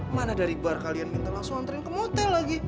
mana dari bar kalian minta langsung antren ke hotel lagi